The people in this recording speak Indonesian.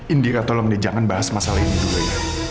indira tolong dia jangan bahas masalah ini dulu ya